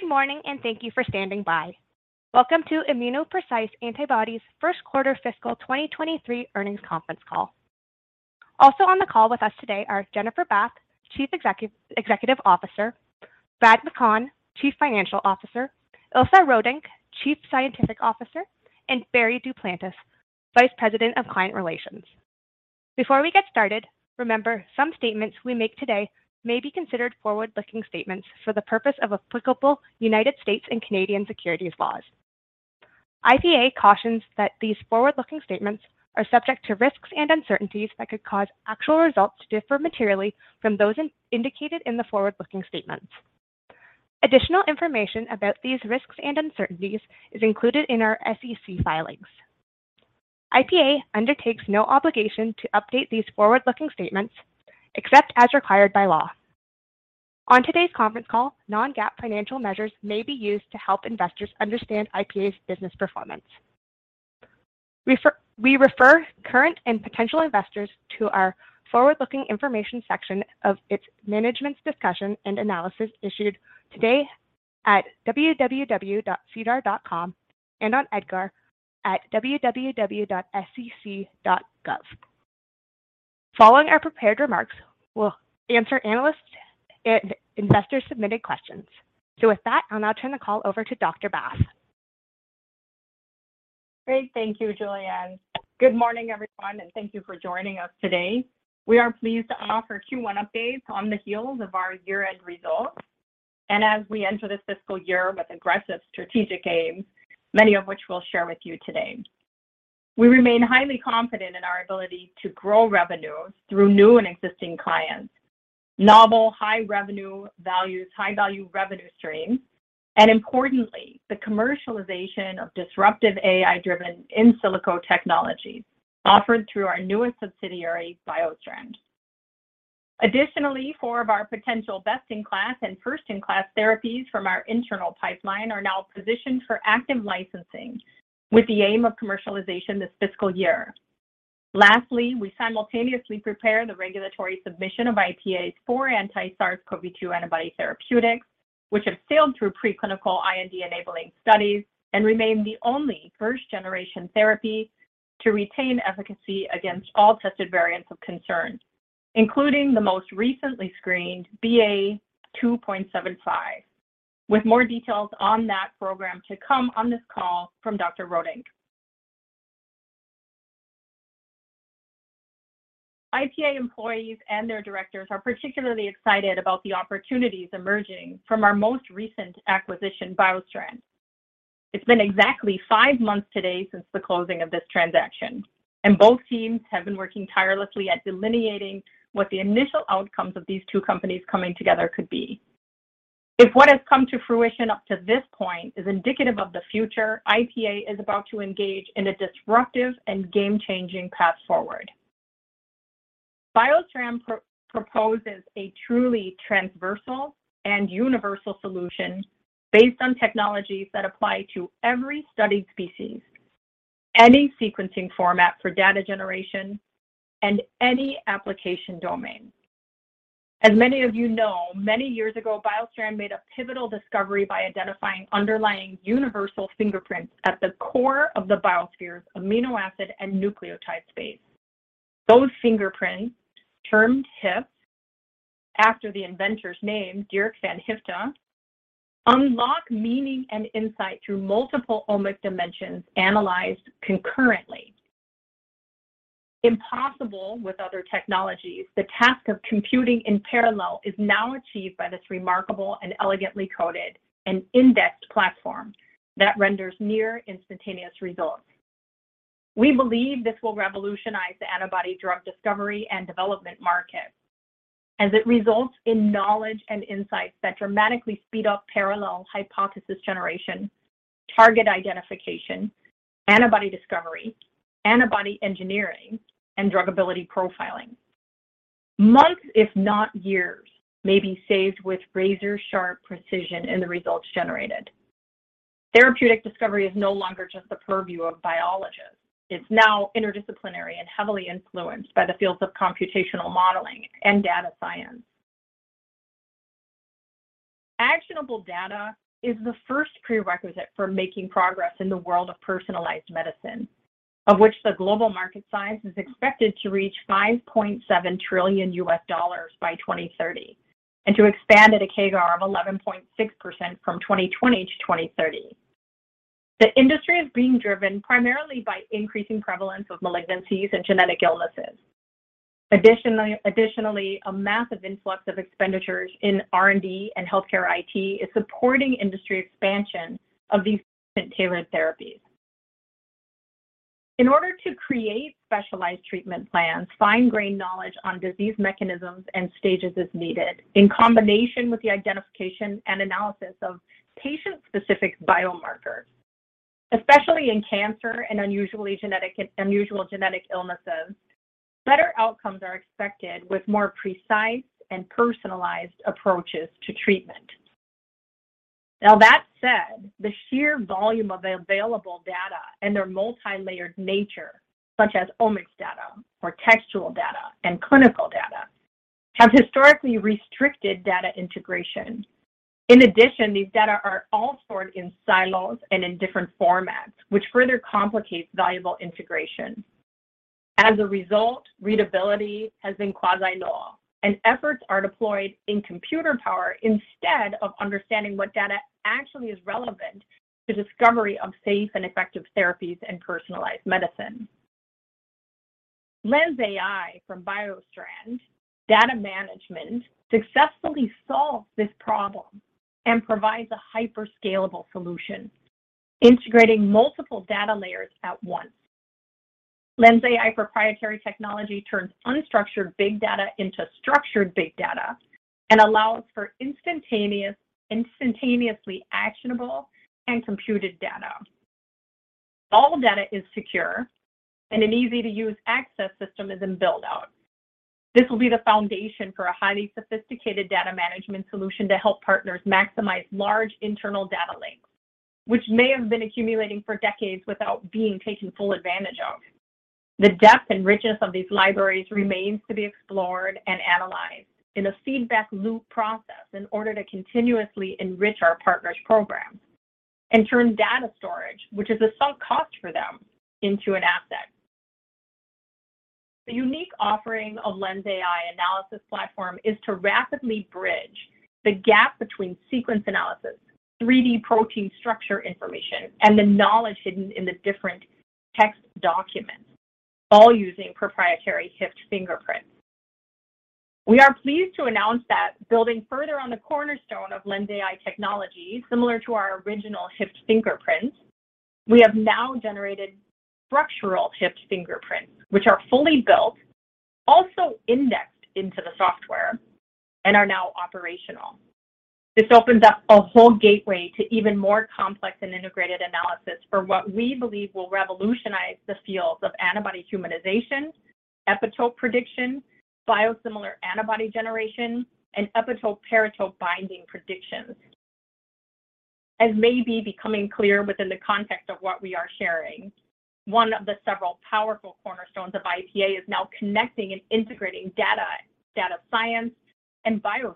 Good morning and thank you for standing by. Welcome to ImmunoPrecise Antibodies first quarter fiscal 2023 earnings conference call. Also on the call with us today are Jennifer Bath, Chief Executive Officer, Brad McConn, Chief Financial Officer, Ilse Roodink, Chief Scientific Officer, and Barry Duplantis, Vice President of Client Relations. Before we get started, remember some statements we make today may be considered forward-looking statements for the purpose of applicable United States and Canadian securities laws. IPA cautions that these forward-looking statements are subject to risks and uncertainties that could cause actual results to differ materially from those indicated in the forward-looking statements. Additional information about these risks and uncertainties is included in our SEC filings. IPA undertakes no obligation to update these forward-looking statements except as required by law. On today's conference call, non-GAAP financial measures may be used to help investors understand IPA's business performance. We refer current and potential investors to our forward-looking information section of its management's discussion and analysis issued today at www.sedar.com and on EDGAR at www.sec.gov. Following our prepared remarks, we'll answer analyst and investor-submitted questions. With that, I'll now turn the call over to Dr. Bath. Great. Thank you, Julianne. Good morning, everyone, and thank you for joining us today. We are pleased to offer Q1 updates on the heels of our year-end results and as we enter this fiscal year with aggressive strategic aims, many of which we'll share with you today. We remain highly confident in our ability to grow revenues through new and existing clients, novel high revenue values, high-value revenue streams, and importantly, the commercialization of disruptive AI-driven in silico technologies offered through our newest subsidiary, BioStrand. Additionally, four of our potential best-in-class and first-in-class therapies from our internal pipeline are now positioned for active licensing with the aim of commercialization this fiscal year. Lastly, we simultaneously prepare the regulatory submission of IPA for anti-SARS-CoV-2 antibody therapeutics, which have sailed through preclinical IND enabling studies and remain the only first generation therapy to retain efficacy against all tested variants of concern, including the most recently screened BA.2.75, with more details on that program to come on this call from Dr. Roodink. IPA employees and their directors are particularly excited about the opportunities emerging from our most recent acquisition, BioStrand. It's been exactly five months today since the closing of this transaction, and both teams have been working tirelessly at delineating what the initial outcomes of these two companies coming together could be. If what has come to fruition up to this point is indicative of the future, IPA is about to engage in a disruptive and game-changing path forward. BioStrand proposes a truly transversal and universal solution based on technologies that apply to every studied species, any sequencing format for data generation, and any application domain. As many of you know, many years ago, BioStrand made a pivotal discovery by identifying underlying universal fingerprints at the core of the biosphere's amino acid and nucleotide space. Those fingerprints, termed HYFTs after the inventor's name, Dirk Jan Haft, unlock meaning and insight through multiple omic dimensions analyzed concurrently. Impossible with other technologies, the task of computing in parallel is now achieved by this remarkable and elegantly coded and indexed platform that renders near instantaneous results. We believe this will revolutionize the antibody drug discovery and development market as it results in knowledge and insights that dramatically speed up parallel hypothesis generation, target identification, antibody discovery, antibody engineering, and druggability profiling. Months, if not years, may be saved with razor-sharp precision in the results generated. Therapeutic discovery is no longer just the purview of biologists. It's now interdisciplinary and heavily influenced by the fields of computational modeling and data science. Actionable data is the first prerequisite for making progress in the world of personalized medicine, of which the global market science is expected to reach $5.7 trillion by 2030, and to expand at a CAGR of 11.6% from 2020 to 2030. The industry is being driven primarily by increasing prevalence of malignancies and genetic illnesses. Additionally, a massive influx of expenditures in R&D and healthcare IT is supporting industry expansion of these patient-tailored therapies. In order to create specialized treatment plans, fine-grained knowledge on disease mechanisms and stages is needed in combination with the identification and analysis of patient-specific biomarkers, especially in cancer and unusual genetic illnesses. Better outcomes are expected with more precise and personalized approaches to treatment. Now that said, the sheer volume of available data and their multilayered nature, such as omics data or textual data and clinical data, have historically restricted data integration. In addition, these data are all stored in silos and in different formats, which further complicates valuable integration. As a result, readability has been quasi-null, and efforts are deployed in computer power instead of understanding what data actually is relevant to discovery of safe and effective therapies and personalized medicine. LENSai from BioStrand data management successfully solves this problem and provides a hyper-scalable solution, integrating multiple data layers at once. LENSai proprietary technology turns unstructured big data into structured big data and allows for instantaneous, instantaneously actionable and computed data. All data is secure and an easy-to-use access system is in build-out. This will be the foundation for a highly sophisticated data management solution to help partners maximize large internal data lakes, which may have been accumulating for decades without being taken full advantage of. The depth and richness of these libraries remains to be explored and analyzed in a feedback loop process in order to continuously enrich our partners program and turn data storage, which is a sunk cost for them, into an asset. The unique offering of LENSai analysis platform is to rapidly bridge the gap between sequence analysis, 3D protein structure information, and the knowledge hidden in the different text documents, all using proprietary HYFTs. We are pleased to announce that building further on the cornerstone of LENSai technology, similar to our original HYFT fingerprints, we have now generated structural HYFT fingerprints, which are fully built, also indexed into the software and are now operational. This opens up a whole gateway to even more complex and integrated analysis for what we believe will revolutionize the fields of antibody humanization, epitope prediction, biosimilar antibody generation, and epitope-paratope binding predictions. As may be becoming clear within the context of what we are sharing, one of the several powerful cornerstones of IPA is now connecting and integrating data science and bioscience.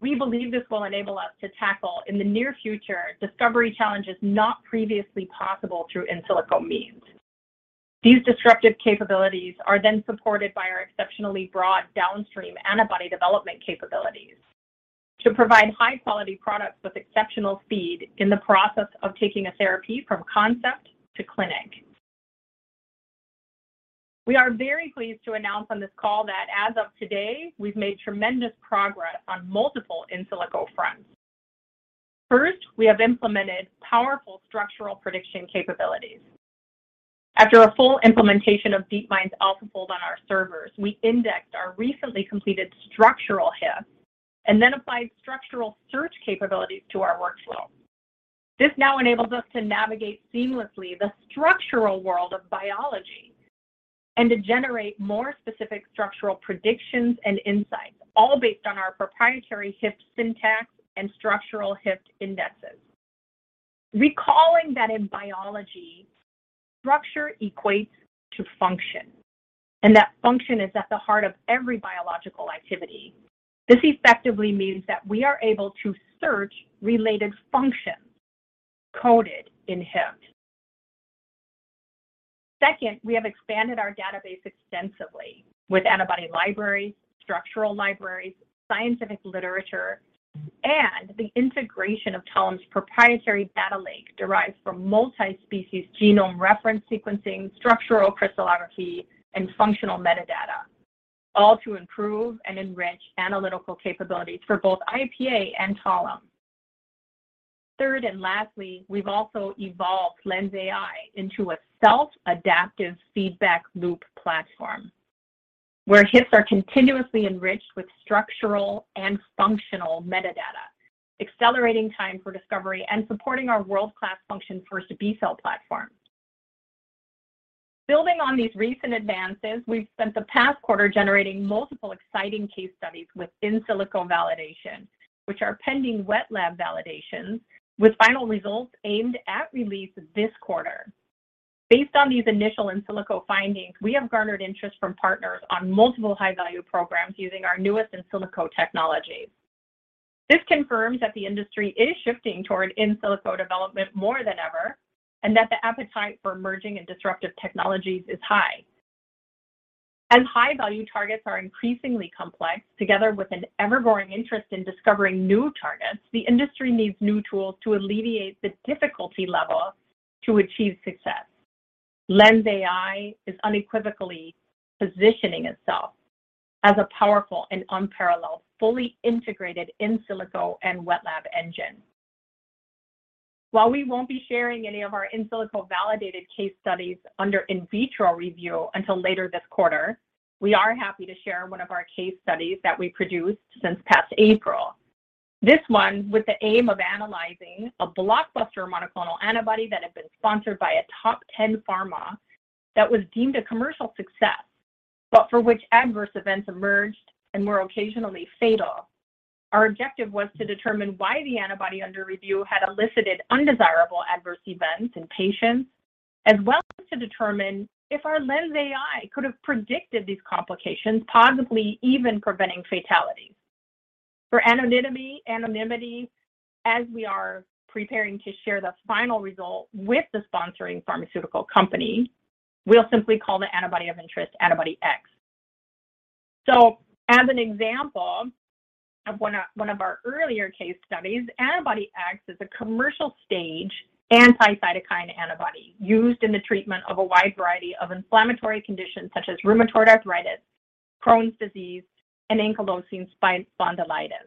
We believe this will enable us to tackle in the near future discovery challenges not previously possible through in silico means. These disruptive capabilities are then supported by our exceptionally broad downstream antibody development capabilities to provide high quality products with exceptional speed in the process of taking a therapy from concept to clinic. We are very pleased to announce on this call that as of today, we've made tremendous progress on multiple in silico fronts. First, we have implemented powerful structural prediction capabilities. After a full implementation of DeepMind's AlphaFold on our servers, we indexed our recently completed structural HIFT and then applied structural search capabilities to our workflow. This now enables us to navigate seamlessly the structural world of biology and to generate more specific structural predictions and insights, all based on our proprietary HIFT syntax and structural HIFT indexes. Recalling that in biology, structure equates to function, and that function is at the heart of every biological activity. This effectively means that we are able to search related functions coded in HIFT. Second, we have expanded our database extensively with antibody libraries, structural libraries, scientific literature, and the integration of Talem's proprietary data lake derived from multi-species genome reference sequencing, structural crystallography and functional metadata, all to improve and enrich analytical capabilities for both IPA and Talem. Third, and lastly, we've also evolved LENSai into a self-adaptive feedback loop platform, where HIFTs are continuously enriched with structural and functional metadata, accelerating time for discovery and supporting our world-class function first B cell platform. Building on these recent advances, we've spent the past quarter generating multiple exciting case studies with in silico validation, which are pending wet lab validations with final results aimed at release this quarter. Based on these initial in silico findings, we have garnered interest from partners on multiple high-value programs using our newest in silico technologies. This confirms that the industry is shifting toward in silico development more than ever, and that the appetite for emerging and disruptive technologies is high. High-value targets are increasingly complex. Together with an ever-growing interest in discovering new targets, the industry needs new tools to alleviate the difficulty level to achieve success. LENSai is unequivocally positioning itself as a powerful and unparalleled, fully integrated in silico and wet lab engine. While we won't be sharing any of our in silico validated case studies under in vitro review until later this quarter, we are happy to share one of our case studies that we produced since last April. This one with the aim of analyzing a blockbuster monoclonal antibody that had been sponsored by a top ten pharma that was deemed a commercial success, but for which adverse events emerged and were occasionally fatal. Our objective was to determine why the antibody under review had elicited undesirable adverse events in patients, as well as to determine if our LENSai could have predicted these complications, possibly even preventing fatalities. For anonymity, as we are preparing to share the final result with the sponsoring pharmaceutical company, we'll simply call the antibody of interest Antibody X. As an example of one of our earlier case studies, Antibody X is a commercial stage anti-cytokine antibody used in the treatment of a wide variety of inflammatory conditions such as rheumatoid arthritis, Crohn's disease, and ankylosing spondylitis.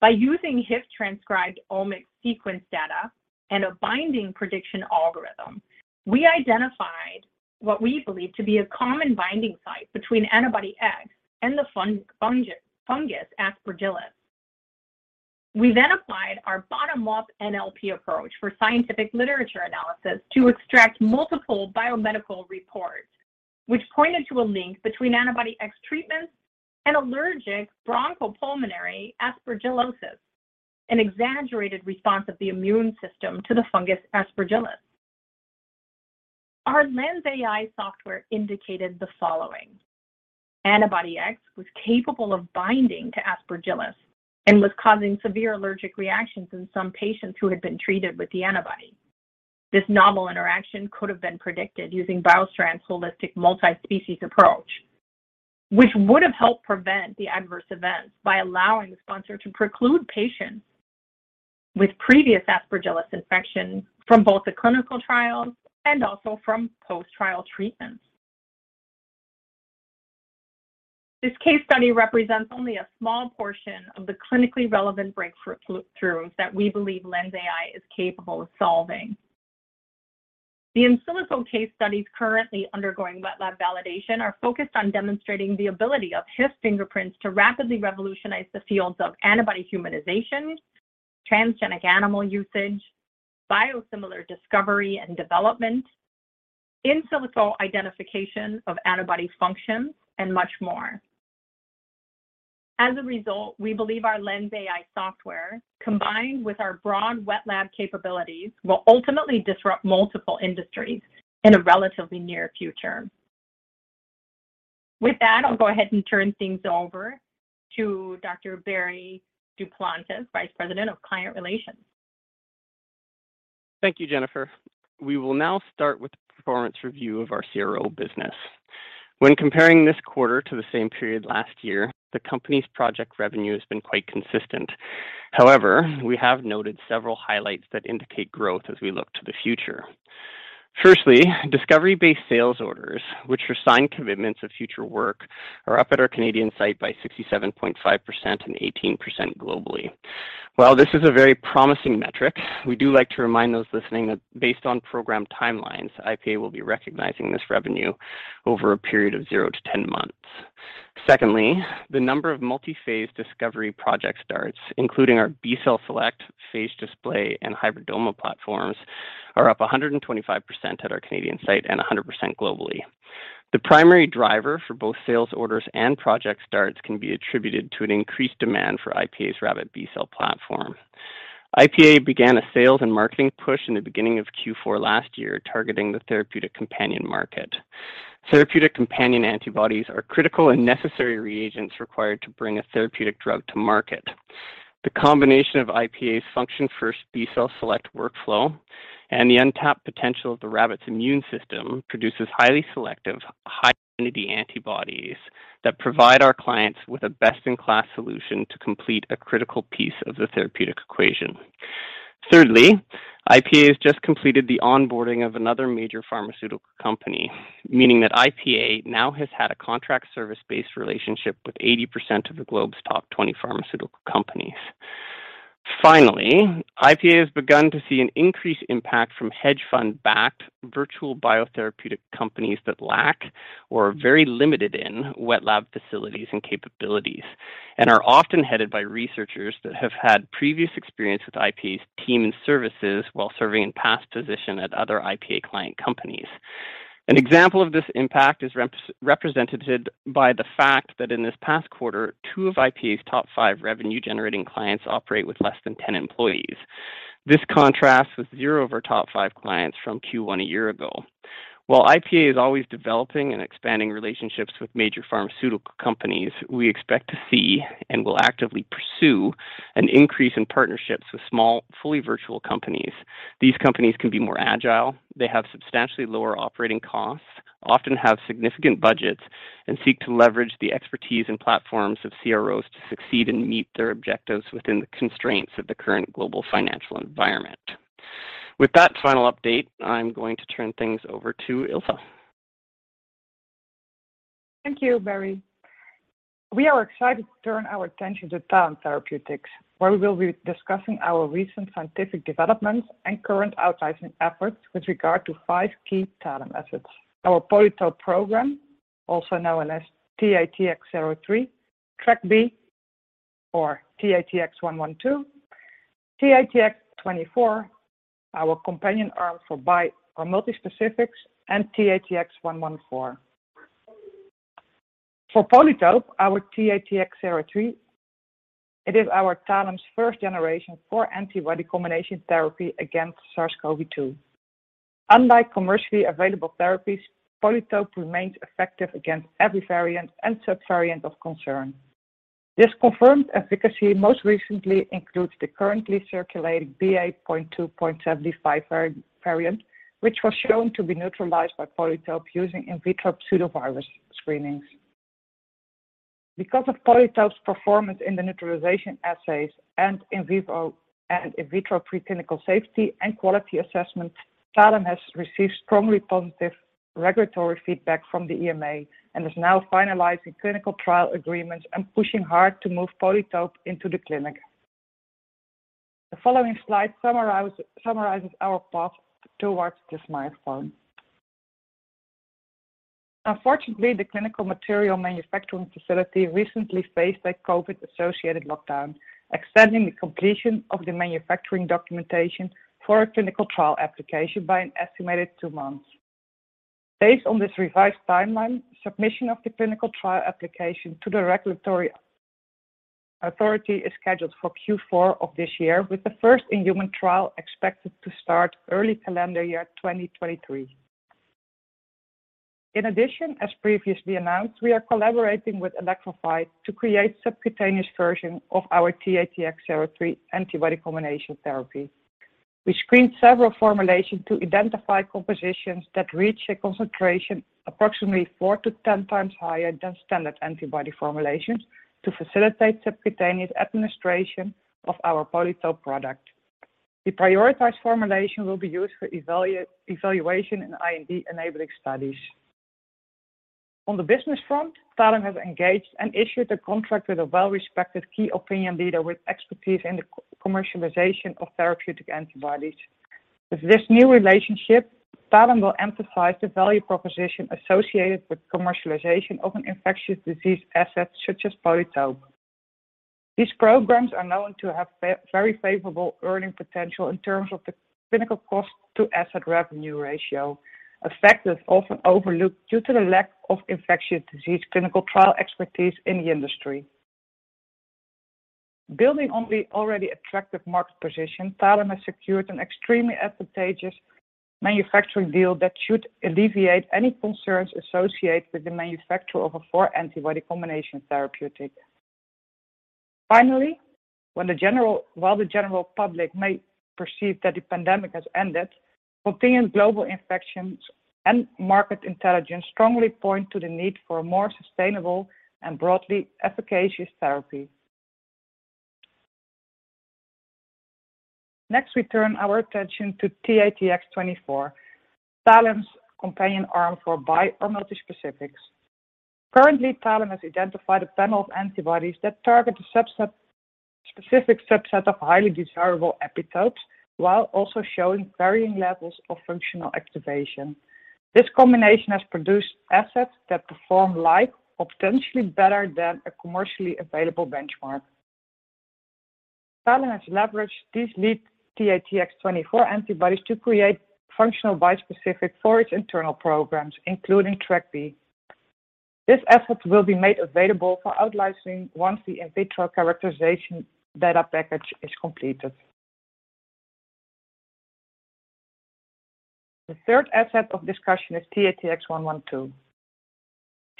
By using HYFT transcribed omics sequence data and a binding prediction algorithm, we identified what we believe to be a common binding site between Antibody X and the fungus Aspergillus. We then applied our bottom-up NLP approach for scientific literature analysis to extract multiple biomedical reports, which pointed to a link between Antibody X treatments and allergic bronchopulmonary aspergillosis, an exaggerated response of the immune system to the fungus Aspergillus. Our LENSai software indicated the following. Antibody X was capable of binding to Aspergillus and was causing severe allergic reactions in some patients who had been treated with the antibody. This novel interaction could have been predicted using BioStrand's holistic multi-species approach, which would have helped prevent the adverse events by allowing the sponsor to preclude patients with previous Aspergillus infection from both the clinical trials and also from post-trial treatments. This case study represents only a small portion of the clinically relevant breakthroughs that we believe LENSai is capable of solving. The in silico case studies currently undergoing wet lab validation are focused on demonstrating the ability of HYFTs to rapidly revolutionize the fields of antibody humanization, transgenic animal usage, biosimilar discovery and development, in silico identification of antibody functions, and much more. As a result, we believe our LENSai software, combined with our broad wet lab capabilities, will ultimately disrupt multiple industries in the relatively near future. With that, I'll go ahead and turn things over to Dr. Barry Duplantis, Vice President of Client Relations. Thank you, Jennifer. We will now start with the performance review of our CRO business. When comparing this quarter to the same period last year, the company's project revenue has been quite consistent. However, we have noted several highlights that indicate growth as we look to the future. Firstly, discovery-based sales orders, which are signed commitments of future work, are up at our Canadian site by 67.5% and 18% globally. While this is a very promising metric, we do like to remind those listening that based on program timelines, IPA will be recognizing this revenue over a period of 0-10 months. Secondly, the number of multi-phase discovery project starts, including our B cell Select, phage display, and hybridoma platforms, are up 125% at our Canadian site and 100% globally. The primary driver for both sales orders and project starts can be attributed to an increased demand for IPA's rabbit B cell platform. IPA began a sales and marketing push in the beginning of Q4 last year, targeting the therapeutic companion market. Therapeutic companion antibodies are critical and necessary reagents required to bring a therapeutic drug to market. The combination of IPA's function-first B cell Select workflow and the untapped potential of the rabbit's immune system produces highly selective, high-affinity antibodies that provide our clients with a best-in-class solution to complete a critical piece of the therapeutic equation. Thirdly, IPA has just completed the onboarding of another major pharmaceutical company, meaning that IPA now has had a contract service-based relationship with 80% of the globe's top 20 pharmaceutical companies. Finally, IPA has begun to see an increased impact from hedge fund-backed virtual biotherapeutic companies that lack or are very limited in wet lab facilities and capabilities and are often headed by researchers that have had previous experience with IPA's team and services while serving in past position at other IPA client companies. An example of this impact is represented by the fact that in this past quarter, two of IPA's top five revenue-generating clients operate with less than 10 employees. This contrasts with zero of our top five clients from Q1 a year ago. While IPA is always developing and expanding relationships with major pharmaceutical companies, we expect to see and will actively pursue an increase in partnerships with small, fully virtual companies. These companies can be more agile, they have substantially lower operating costs, often have significant budgets, and seek to leverage the expertise and platforms of CROs to succeed and meet their objectives within the constraints of the current global financial environment. With that final update, I'm going to turn things over to Ilse. Thank you, Barry. We are excited to turn our attention to Talem Therapeutics, where we will be discussing our recent scientific developments and current outlicensing efforts with regard to five key Talem assets. Our PolyTope program, also known as TATX-03, TrkB, or TATX-112, TATX-24, our companion arm for bi or multi-specifics, and TATX-114. For PolyTope, our TATX-03, it is our Talem's first generation for antibody combination therapy against SARS-CoV-2. Unlike commercially available therapies, PolyTope remains effective against every variant and sub-variant of concern. This confirmed efficacy most recently includes the currently circulating BA.2.75 variant, which was shown to be neutralized by PolyTope using in vitro pseudovirus screenings. Because of PolyTope's performance in the neutralization assays and in vivo and in vitro preclinical safety and quality assessments, Talem has received strongly positive regulatory feedback from the EMA and is now finalizing clinical trial agreements and pushing hard to move PolyTope into the clinic. The following slide summarizes our path towards this milestone. Unfortunately, the clinical material manufacturing facility recently faced a COVID-associated lockdown, extending the completion of the manufacturing documentation for a clinical trial application by an estimated two months. Based on this revised timeline, submission of the clinical trial application to the regulatory authority is scheduled for Q4 of this year, with the first in-human trial expected to start early calendar year 2023. In addition, as previously announced, we are collaborating with Elektrofi to create subcutaneous version of our TATX-03 antibody combination therapy. We screened several formulations to identify compositions that reach a concentration approximately 4x-10x higher than standard antibody formulations to facilitate subcutaneous administration of our PolyTope product. The prioritized formulation will be used for evaluation in IND enabling studies. On the business front, Talem has engaged and issued a contract with a well-respected key opinion leader with expertise in the co-commercialization of therapeutic antibodies. With this new relationship, Talem will emphasize the value proposition associated with commercialization of an infectious disease asset such as PolyTope. These programs are known to have very favorable earning potential in terms of the clinical cost to asset revenue ratio, a factor that's often overlooked due to the lack of infectious disease clinical trial expertise in the industry. Building on the already attractive market position, Talem has secured an extremely advantageous manufacturing deal that should alleviate any concerns associated with the manufacture of a four-antibody combination therapeutic. Finally, while the general public may perceive that the pandemic has ended, continuing global infections and market intelligence strongly point to the need for a more sustainable and broadly efficacious therapy. Next, we turn our attention to TATX-24, Talem's companion arm for bi or multi-specifics. Currently, Talem has identified a panel of antibodies that target a specific subset of highly desirable epitopes, while also showing varying levels of functional activation. This combination has produced assets that perform like, or potentially better than, a commercially available benchmark. Talem has leveraged these lead TATX-24 antibodies to create functional bispecific for its internal programs, including TrkB. This asset will be made available for out-licensing once the in vitro characterization data package is completed. The third asset of discussion is TATX-112.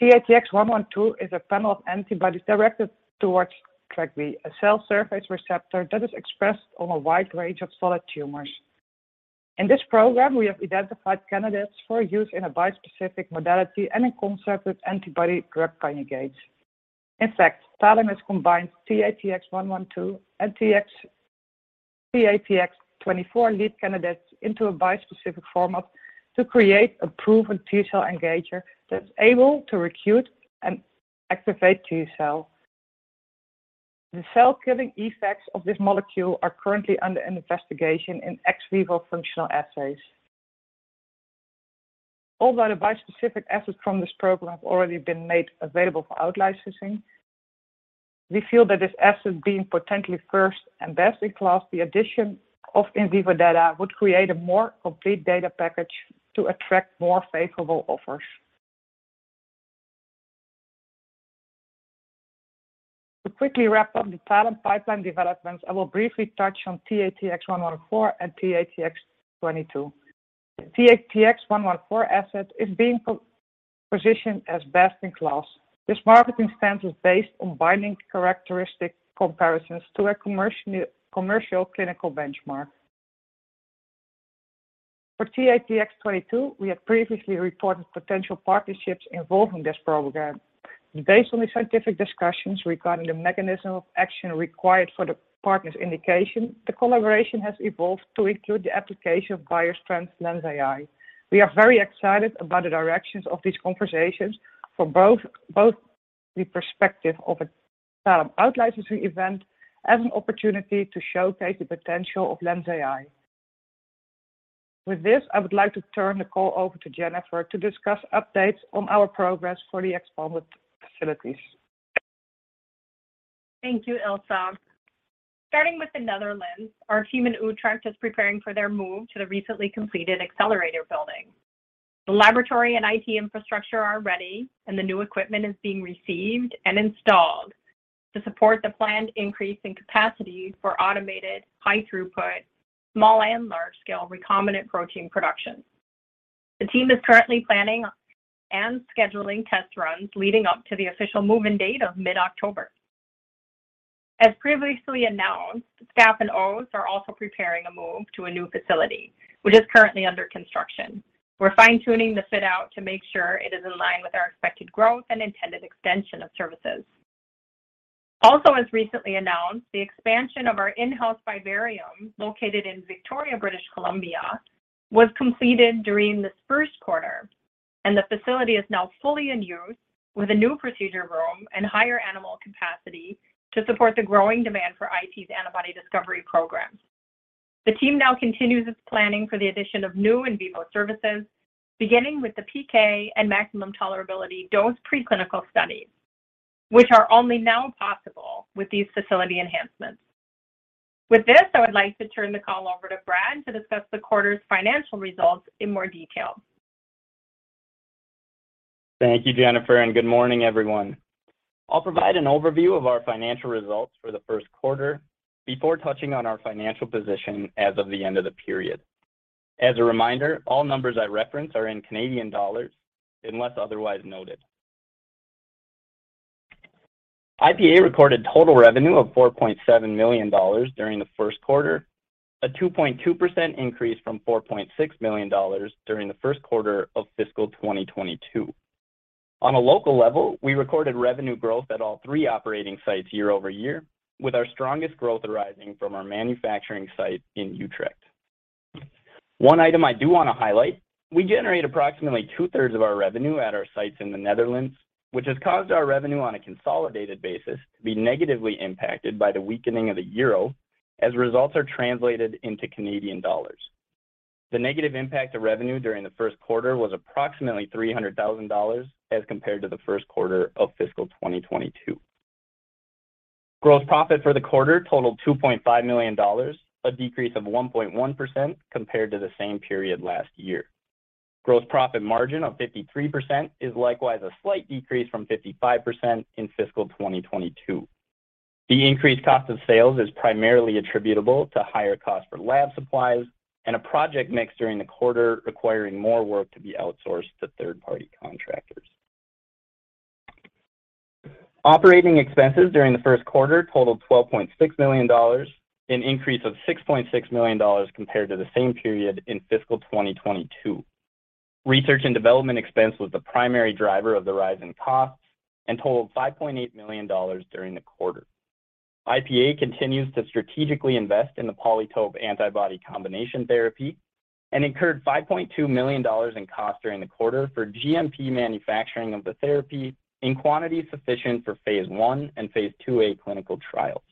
TATX-112 is a panel of antibodies directed towards TrkB, a cell surface receptor that is expressed on a wide range of solid tumors. In this program, we have identified candidates for use in a bispecific modality and in concert with antibody drug conjugates. In fact, Talem has combined TATX-112 and TATX-24 lead candidates into a bispecific format to create a proven T-cell engager that's able to recruit and activate T-cell. The cell-killing effects of this molecule are currently under investigation in ex vivo functional assays. Although the bispecific assets from this program have already been made available for out-licensing, we feel that this asset being potentially first and best in class, the addition of in vivo data would create a more complete data package to attract more favorable offers. To quickly wrap up the Talem pipeline developments, I will briefly touch on TATX-114 and TATX-22. The TATX-114 asset is being positioned as best in class. This marketing stance is based on binding characteristic comparisons to a commercial clinical benchmark. For TATX-22, we have previously reported potential partnerships involving this program. Based on the scientific discussions regarding the mechanism of action required for the partner's indication, the collaboration has evolved to include the application of BioStrand's LENSai. We are very excited about the directions of these conversations for both the perspective of a Talem out-licensing event as an opportunity to showcase the potential of LENSai. With this, I would like to turn the call over to Jennifer to discuss updates on our progress for the expanded facilities. Thank you, Ilse. Starting with the Netherlands, our team in Utrecht is preparing for their move to the recently completed accelerator building. The laboratory and IT infrastructure are ready, and the new equipment is being received and installed to support the planned increase in capacity for automated, high throughput, small and large scale recombinant protein production. The team is currently planning and scheduling test runs leading up to the official move-in date of mid-October. As previously announced, staff in Oss are also preparing a move to a new facility, which is currently under construction. We're fine-tuning the fit out to make sure it is in line with our expected growth and intended extension of services. Also, as recently announced, the expansion of our in-house vivarium located in Victoria, British Columbia, was completed during this first quarter, and the facility is now fully in use with a new procedure room and higher animal capacity to support the growing demand for IPA's antibody discovery programs. The team now continues its planning for the addition of new in vivo services, beginning with the PK and maximum tolerability dose preclinical studies, which are only now possible with these facility enhancements. With this, I would like to turn the call over to Brad to discuss the quarter's financial results in more detail. Thank you, Jennifer, and good morning, everyone. I'll provide an overview of our financial results for the first quarter before touching on our financial position as of the end of the period. As a reminder, all numbers I reference are in Canadian dollars unless otherwise noted. IPA recorded total revenue of 4.7 million dollars during the first quarter, a 2.2% increase from 4.6 million dollars during the first quarter of fiscal 2022. On a local level, we recorded revenue growth at all three operating sites year-over-year, with our strongest growth arising from our manufacturing site in Utrecht. One item I do want to highlight, we generate approximately 2/3 of our revenue at our sites in the Netherlands, which has caused our revenue on a consolidated basis to be negatively impacted by the weakening of the euro as results are translated into Canadian dollars. The negative impact of revenue during the first quarter was approximately 300,000 dollars as compared to the first quarter of fiscal 2022. Gross profit for the quarter totaled 2.5 million dollars, a decrease of 1.1% compared to the same period last year. Gross profit margin of 53% is likewise a slight decrease from 55% in fiscal 2022. The increased cost of sales is primarily attributable to higher cost for lab supplies and a project mix during the quarter requiring more work to be outsourced to third-party contractors. Operating expenses during the first quarter totaled $12.6 million, an increase of $6.6 million compared to the same period in fiscal 2022. Research and development expense was the primary driver of the rise in costs and totaled $5.8 million during the quarter. IPA continues to strategically invest in the PolyTope antibody combination therapy and incurred $5.2 million in cost during the quarter for GMP manufacturing of the therapy in quantities sufficient for phase I and phase IIA clinical trials.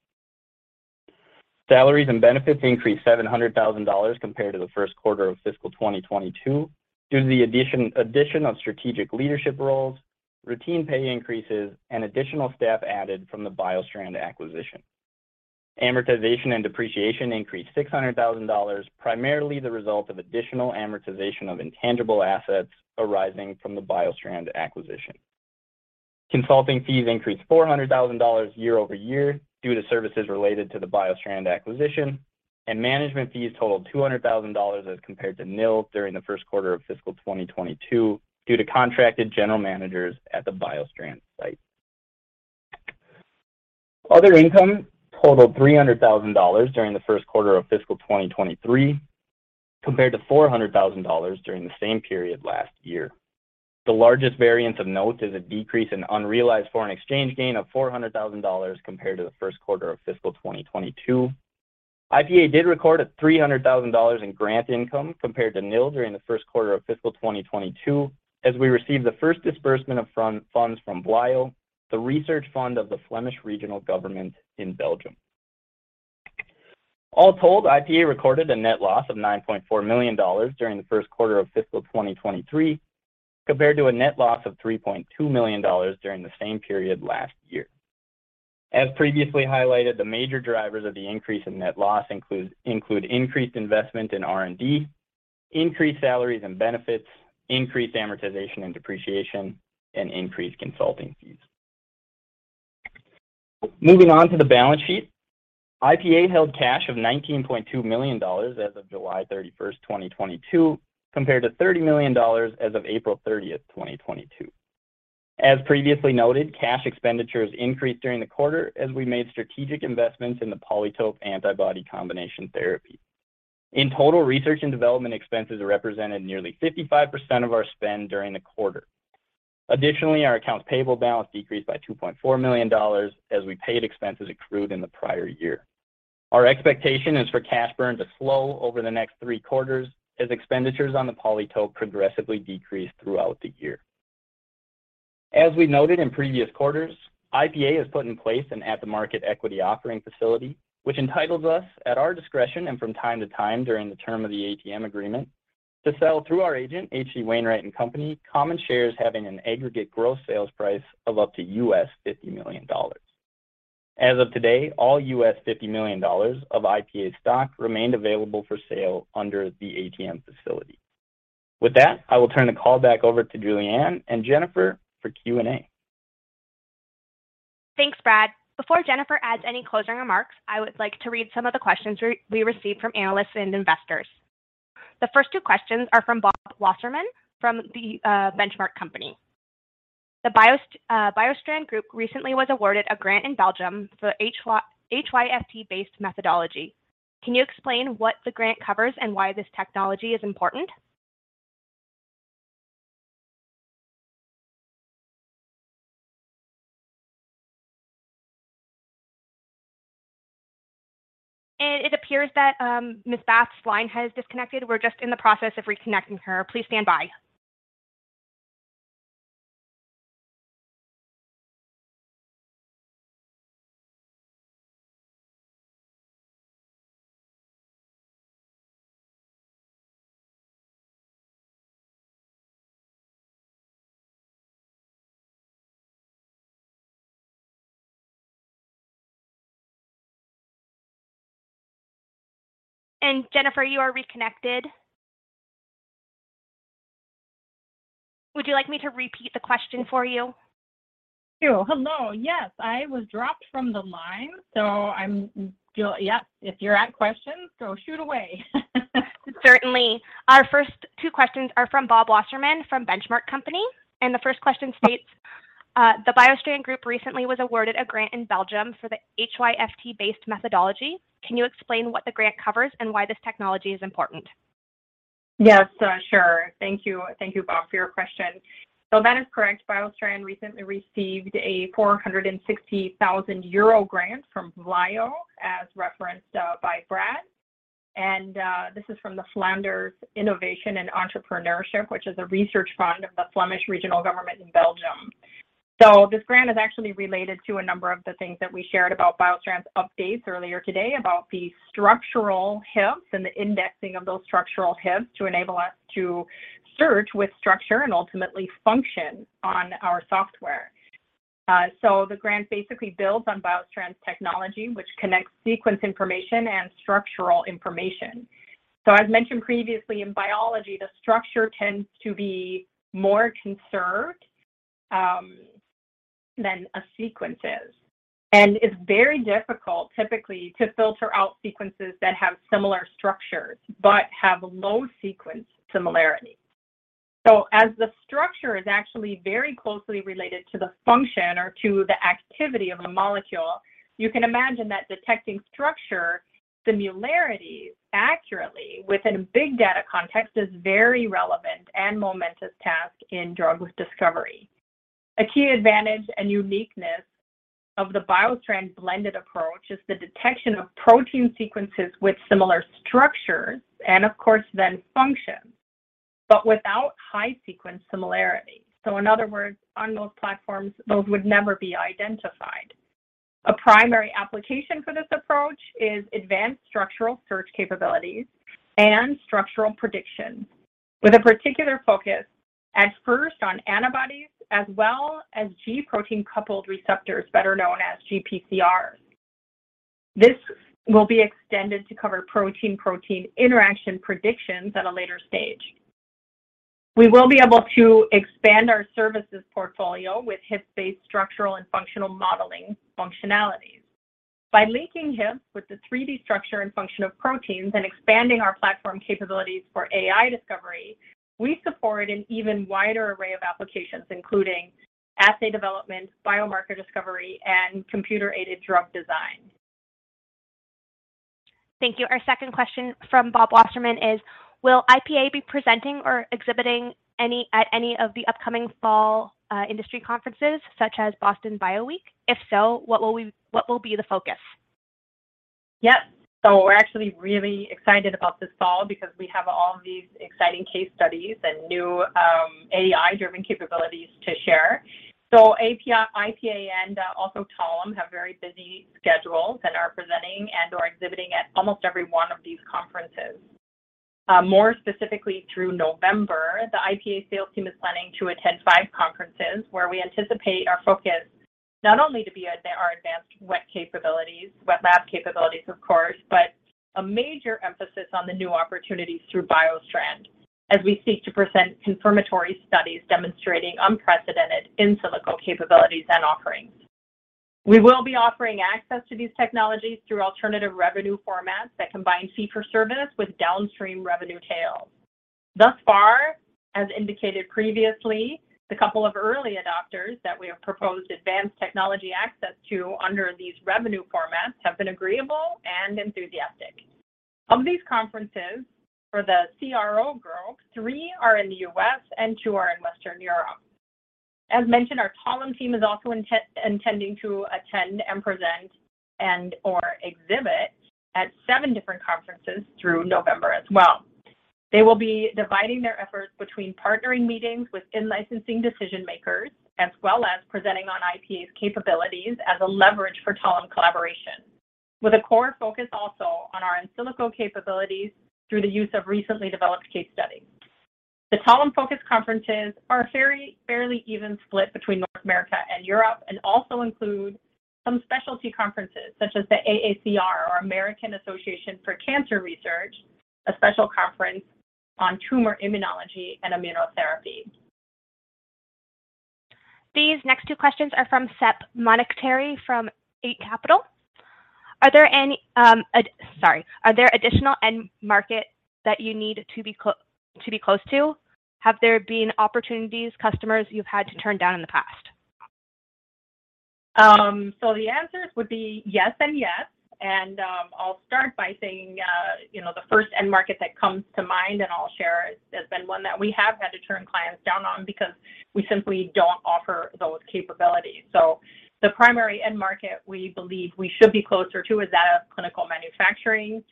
Salaries and benefits increased $700,000 compared to the first quarter of fiscal 2022 due to the addition of strategic leadership roles, routine pay increases, and additional staff added from the BioStrand acquisition. Amortization and depreciation increased $600,000, primarily the result of additional amortization of intangible assets arising from the BioStrand acquisition. Consulting fees increased $400,000 year-over-year due to services related to the BioStrand acquisition, and management fees totaled $200 ,000 as compared to nil during the first quarter of fiscal 2022 due to contracted general managers at the BioStrand site. Other income totaled $300,000 during the first quarter of fiscal 2023 compared to $400,000 during the same period last year. The largest variance of note is a decrease in unrealized foreign exchange gain of $400,000 compared to the first quarter of fiscal 2022. IPA recorded $300,000 in grant income compared to nil during the first quarter of fiscal 2022, as we received the first disbursement of funds from VLAIO, the research fund of the Flemish Regional government in Belgium. IPA recorded a net loss of $9.4 million during the first quarter of fiscal 2023, compared to a net loss of $3.2 million during the same period last year. As previously highlighted, the major drivers of the increase in net loss include increased investment in R&D, increased salaries and benefits, increased amortization and depreciation, and increased consulting fees. Moving on to the balance sheet. IPA held cash of $19.2 million as of July 31, 2022, compared to $30 million as of April 30, 2022. As previously noted, cash expenditures increased during the quarter as we made strategic investments in the PolyTope antibody combination therapy. In total, research and development expenses represented nearly 55% of our spend during the quarter. Additionally, our accounts payable balance decreased by $2.4 million as we paid expenses accrued in the prior year. Our expectation is for cash burn to slow over the next three quarters as expenditures on the PolyTope progressively decrease throughout the year. As we noted in previous quarters, IPA has put in place an at-the-market equity offering facility, which entitles us at our discretion and from time to time during the term of the ATM agreement to sell through our agent, H.C. Wainwright & Co., common shares having an aggregate gross sales price of up to $50 million. As of today, all $50 million of IPA stock remained available for sale under the ATM facility. With that, I will turn the call back over to Julianne and Jennifer for Q&A. Thanks, Brad. Before Jennifer adds any closing remarks, I would like to read some of the questions we received from analysts and investors. The first two questions are from Robert Wasserman from the Benchmark Company. The BioStrand group recently was awarded a grant in Belgium for HYFT-based methodology. Can you explain what the grant covers and why this technology is important? It appears that Ms. Bath's line has disconnected. We're just in the process of reconnecting her. Please stand by. Jennifer, you are reconnected. Would you like me to repeat the question for you? Sure. Hello. Yes. I was dropped from the line. Yep, if you have questions, so shoot away. Certainly. Our first two questions are from Robert Wasserman from The Benchmark Company, and the first question states, "The BioStrand Group recently was awarded a grant in Belgium for the HYFT-based methodology. Can you explain what the grant covers and why this technology is important? Yes, sure. Thank you. Thank you, Robert, for your question. That is correct. BioStrand recently received a 460,000 euro grant from VLAIO, as referenced by Brad. This is from the Flanders Innovation & Entrepreneurship, which is a research fund of the Flemish regional government in Belgium. This grant is actually related to a number of the things that we shared about BioStrand's updates earlier today about the structural HYFTs and the indexing of those structural HYFTs to enable us to search with structure and ultimately function on our software. The grant basically builds on BioStrand's technology, which connects sequence information and structural information. As mentioned previously in biology, the structure tends to be more conserved than a sequence is, and it's very difficult typically to filter out sequences that have similar structures but have low sequence similarity. As the structure is actually very closely related to the function or to the activity of a molecule, you can imagine that detecting structure similarities accurately within a big data context is very relevant and momentous task in drug discovery. A key advantage and uniqueness of the BioStrand blended approach is the detection of protein sequences with similar structures and of course then functions, but without high sequence similarity. In other words, on most platforms, those would never be identified. A primary application for this approach is advanced structural search capabilities and structural predictions with a particular focus at first on antibodies as well as G protein-coupled receptors, better known as GPCRs. This will be extended to cover protein-protein interaction predictions at a later stage. We will be able to expand our services portfolio with HIAP-based structural and functional modeling functionalities. By linking HIAP with the 3D structure and function of proteins and expanding our platform capabilities for AI discovery, we support an even wider array of applications, including assay development, biomarker discovery, and computer-aided drug design. Thank you. Our second question from Robert Wasserman is, "Will IPA be presenting or exhibiting at any of the upcoming fall industry conferences, such as Boston Bio Week? If so, what will be the focus? Yep. We're actually really excited about this fall because we have all of these exciting case studies and new, AI-driven capabilities to share. IPA and also Talem have very busy schedules and are presenting and/or exhibiting at almost every one of these conferences. More specifically through November, the IPA sales team is planning to attend five conferences where we anticipate our focus not only to be at our advanced wet capabilities, wet lab capabilities of course, but a major emphasis on the new opportunities through BioStrand as we seek to present confirmatory studies demonstrating unprecedented in silico capabilities and offerings. We will be offering access to these technologies through alternative revenue formats that combine fee for service with downstream revenue tails. Thus far, as indicated previously, the couple of early adopters that we have proposed advanced technology access to under these revenue formats have been agreeable and enthusiastic. Of these conferences for the CRO group, three are in the U.S. and two are in Western Europe. As mentioned, our Talem team is also intending to attend and present and/or exhibit at seven different conferences through November as well. They will be dividing their efforts between partnering meetings with in-licensing decision makers, as well as presenting on IPA's capabilities as a leverage for Talem collaboration, with a core focus also on our in silico capabilities through the use of recently developed case studies. The Talem-focused conferences are very fairly even split between North America and Europe, and also include some specialty conferences such as the AACR or American Association for Cancer Research, a special conference on tumor immunology and immunotherapy. These next two questions are from Sepehr Manochehry from Eight Capital. Are there any additional end markets that you need to be close to? Have there been opportunities, customers you've had to turn down in the past? The answer would be yes and yes, and I'll start by saying, you know, the first end market that comes to mind, and I'll share, has been one that we have had to turn clients down on because we simply don't offer those capabilities. The primary end market we believe we should be closer to is that of clinical manufacturing,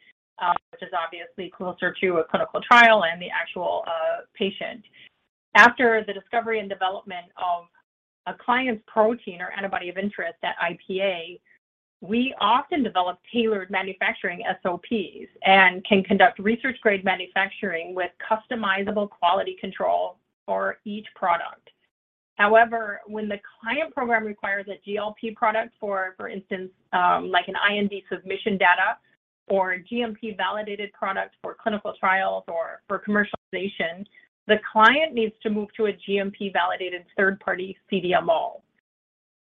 which is obviously closer to a clinical trial and the actual patient. After the discovery and development of a client's protein or antibody of interest at IPA, we often develop tailored manufacturing SOPs and can conduct research-grade manufacturing with customizable quality control for each product. However, when the client program requires a GLP product, for instance, like an IND submission data or GMP validated product for clinical trials or for commercialization, the client needs to move to a GMP validated third-party CDMO.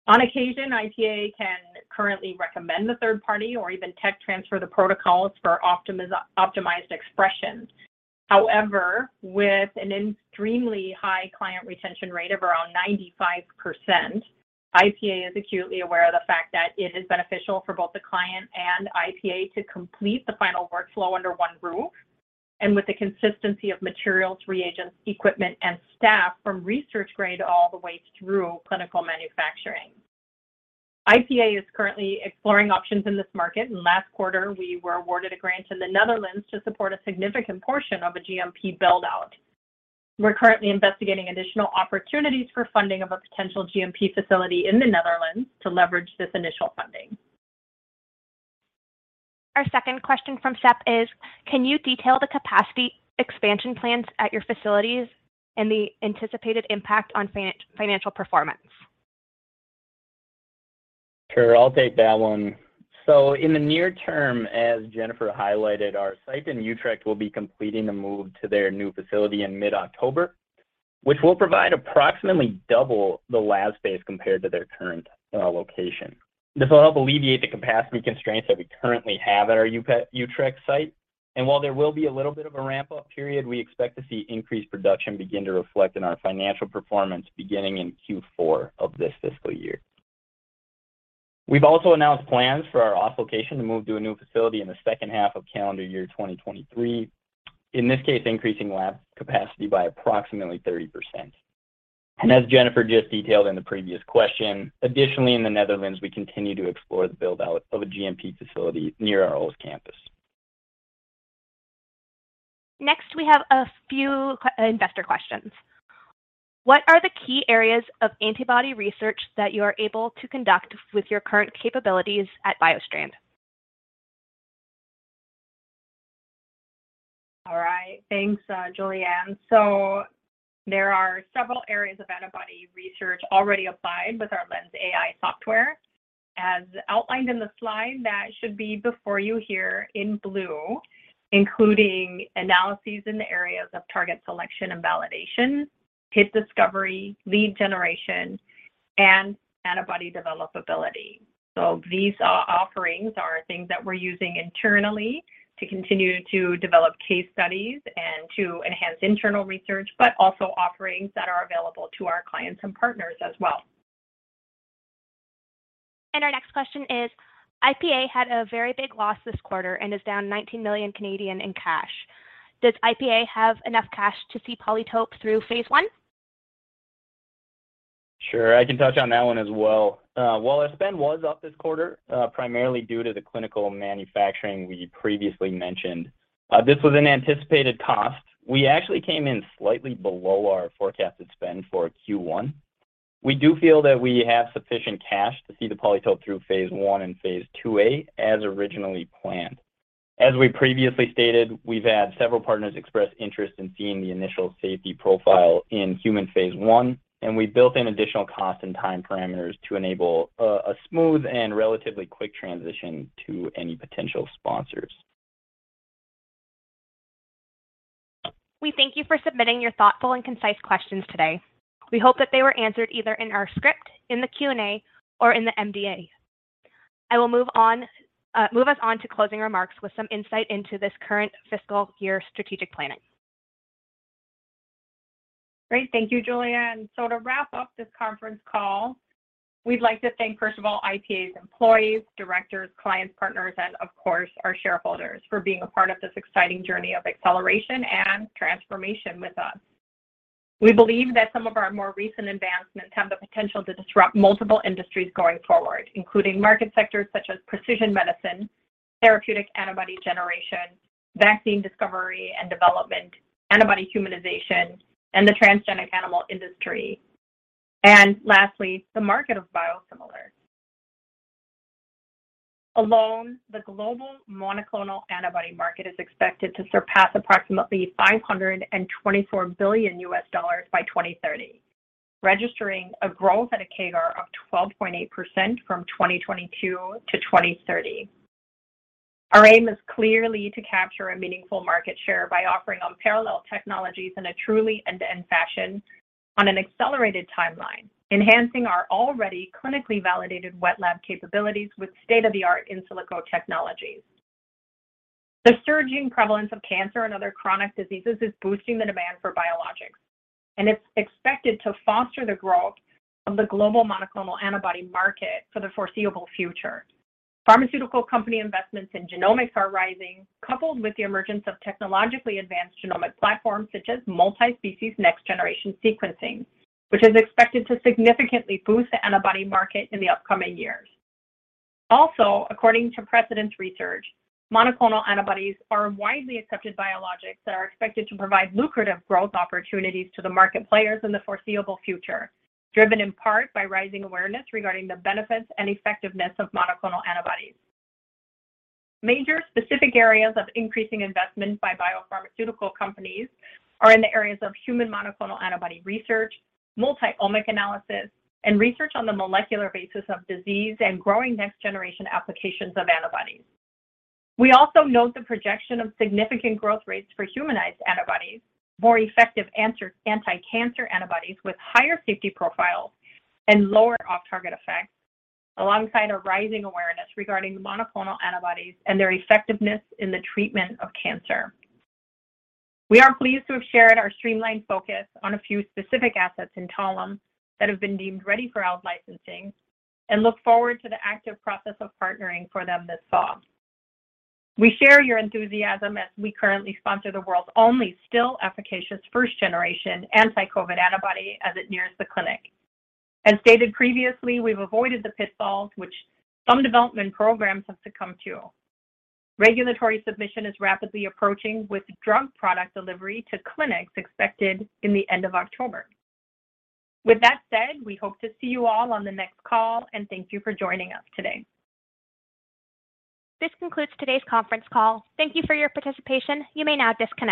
On occasion, IPA can currently recommend the third party or even tech transfer the protocols for optimized expressions. However, with an extremely high client retention rate of around 95%, IPA is acutely aware of the fact that it is beneficial for both the client and IPA to complete the final workflow under one roof and with the consistency of materials, reagents, equipment, and staff from research grade all the way through clinical manufacturing. IPA is currently exploring options in this market, and last quarter we were awarded a grant in the Netherlands to support a significant portion of a GMP build-out. We're currently investigating additional opportunities for funding of a potential GMP facility in the Netherlands to leverage this initial funding. Our second question from Sepehr is, can you detail the capacity expansion plans at your facilities and the anticipated impact on financial performance? Sure. I'll take that one. In the near term, as Jennifer highlighted, our site in Utrecht will be completing the move to their new facility in mid-October, which will provide approximately double the lab space compared to their current location. This will help alleviate the capacity constraints that we currently have at our Utrecht site. While there will be a little bit of a ramp-up period, we expect to see increased production begin to reflect in our financial performance beginning in Q4 of this fiscal year. We've also announced plans for our Oss location to move to a new facility in the second half of calendar year 2023, in this case, increasing lab capacity by approximately 30%. As Jennifer just detailed in the previous question, additionally, in the Netherlands, we continue to explore the build-out of a GMP facility near our old campus. Next, we have a few investor questions. What are the key areas of antibody research that you are able to conduct with your current capabilities at BioStrand? All right. Thanks, Julianne. There are several areas of antibody research already applied with our LENSai software. As outlined in the slide that should be before you here in blue, including analyses in the areas of target selection and validation, hit discovery, lead generation, and antibody developability. These offerings are things that we're using internally to continue to develop case studies and to enhance internal research, but also offerings that are available to our clients and partners as well. Our next question is, IPA had a very big loss this quarter and is down 19 million in cash. Does IPA have enough cash to see PolyTope through phase I? Sure. I can touch on that one as well. While our spend was up this quarter, primarily due to the clinical manufacturing we previously mentioned, this was an anticipated cost. We actually came in slightly below our forecasted spend for Q1. We do feel that we have sufficient cash to see the PolyTope through phase I and phase IIA as originally planned. As we previously stated, we've had several partners express interest in seeing the initial safety profile in human phase I, and we built in additional cost and time parameters to enable a smooth and relatively quick transition to any potential sponsors. We thank you for submitting your thoughtful and concise questions today. We hope that they were answered either in our script, in the Q&A, or in the MDA. I will move us on to closing remarks with some insight into this current fiscal year strategic planning. Great. Thank you, Julianne. To wrap up this conference call, we'd like to thank, first of all, IPA's employees, directors, clients, partners, and of course, our shareholders for being a part of this exciting journey of acceleration and transformation with us. We believe that some of our more recent advancements have the potential to disrupt multiple industries going forward, including market sectors such as precision medicine, therapeutic antibody generation, vaccine discovery and development, antibody humanization, and the transgenic animal industry, and lastly, the market of biosimilars. Alone, the global monoclonal antibody market is expected to surpass approximately $524 billion by 2030, registering a growth at a CAGR of 12.8% from 2022 to 2030. Our aim is clearly to capture a meaningful market share by offering unparalleled technologies in a truly end-to-end fashion on an accelerated timeline, enhancing our already clinically validated wet lab capabilities with state-of-the-art in silico technologies. The surging prevalence of cancer and other chronic diseases is boosting the demand for biologics, and it's expected to foster the growth of the global monoclonal antibody market for the foreseeable future. Pharmaceutical company investments in genomics are rising, coupled with the emergence of technologically advanced genomic platforms such as multi-species next-generation sequencing, which is expected to significantly boost the antibody market in the upcoming years. Also, according to Precedence Research, monoclonal antibodies are widely accepted biologics that are expected to provide lucrative growth opportunities to the market players in the foreseeable future, driven in part by rising awareness regarding the benefits and effectiveness of monoclonal antibodies. Major specific areas of increasing investment by biopharmaceutical companies are in the areas of human monoclonal antibody research, multi-omic analysis, and research on the molecular basis of disease and growing next-generation applications of antibodies. We also note the projection of significant growth rates for humanized antibodies, more effective anti-cancer antibodies with higher safety profiles and lower off-target effects, alongside a rising awareness regarding monoclonal antibodies and their effectiveness in the treatment of cancer. We are pleased to have shared our streamlined focus on a few specific assets in Talem that have been deemed ready for out-licensing and look forward to the active process of partnering for them this fall. We share your enthusiasm as we currently sponsor the world's only still efficacious first generation anti-COVID antibody as it nears the clinic. As stated previously, we've avoided the pitfalls which some development programs have succumbed to. Regulatory submission is rapidly approaching, with drug product delivery to clinics expected in the end of October. With that said, we hope to see you all on the next call and thank you for joining us today. This concludes today's conference call. Thank you for your participation. You may now disconnect.